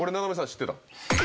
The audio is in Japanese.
知ってた？